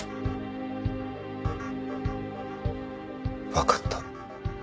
わかった。